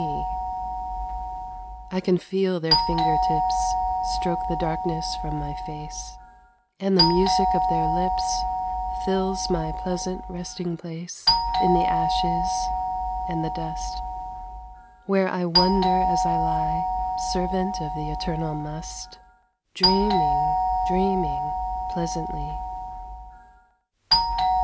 61 PAGAN EPITAPH I can feel their finger tips Stroke the darkness from my face, And the music of their lips Fills my pleasant resting place In the ashes and the dust, Where I wonder as I lie, Servant of the eternal Must, Dreaming, dreaming pleasantly.